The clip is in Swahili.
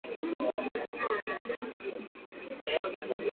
Kushikia kwa mtoto sio kumupika fimbo